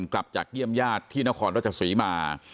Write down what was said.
กลับจากเยี่ยมญาติที่นครราชศรีมา